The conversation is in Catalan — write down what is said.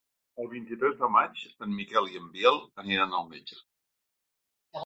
El vint-i-tres de maig en Miquel i en Biel aniran al metge.